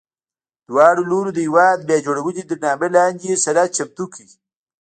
دواړو لورو د هېواد بیا جوړونې تر نامه لاندې سند چمتو کړ.